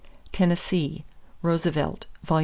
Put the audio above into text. =Tennessee.= Roosevelt, Vol.